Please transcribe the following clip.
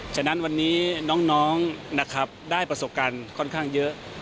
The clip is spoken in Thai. ฉะนั้นวันนี้น้องนะครับได้ประสบการณ์ค่อนข้างเยอะ